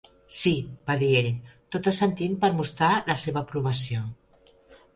"Sí", va dir ell, tot assentint per mostrar la seva aprovació.